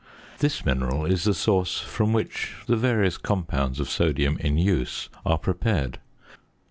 This mineral is the source from which the various compounds of sodium in use are prepared.